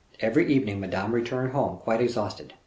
Every evening Madame returned home quite exhausted.